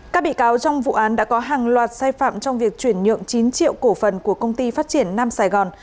các bị cáo trong vụ án đã có hàng loạt sai phạm trong việc chuyển nhượng chín triệu cổ phần của công ty phát triển nam sài gòn